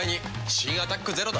新「アタックＺＥＲＯ」